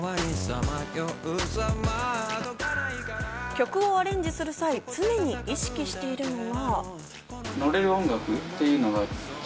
曲をアレンジする際、常に意識しているのは。